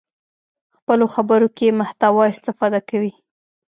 خپلو خبرو کې محتوا استفاده کوي.